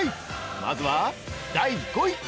まずは、第５位！